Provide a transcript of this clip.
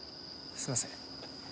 すみません。